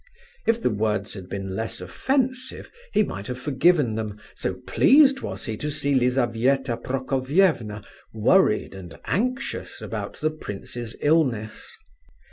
If the words had been less offensive he might have forgiven them, so pleased was he to see Lizabetha Prokofievna worried and anxious about the prince's illness.